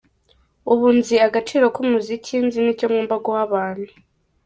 Ubu nzi agaciro k’umuziki, nzi n’icyo ngomba guha abantu.